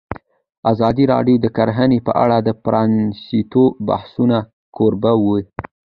ازادي راډیو د کرهنه په اړه د پرانیستو بحثونو کوربه وه.